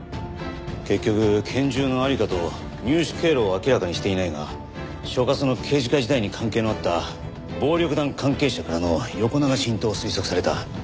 結局拳銃の在りかと入手経路を明らかにしていないが所轄の刑事課時代に関係のあった暴力団関係者からの横流し品と推測された。